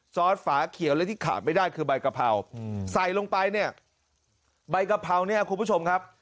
สฝาเขียวและที่ขาดไม่ได้คือใบกะเพราใส่ลงไปเนี่ยใบกะเพราเนี่ยคุณผู้ชมครับ